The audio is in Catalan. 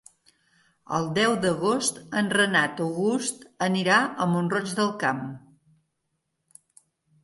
El deu d'agost en Renat August anirà a Mont-roig del Camp.